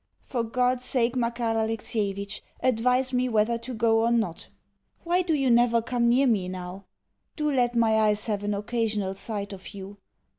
For God's sake, Makar Alexievitch, advise me whether to go or not. Why do you never come near me now? Do let my eyes have an occasional sight of you.